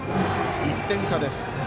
１点差です。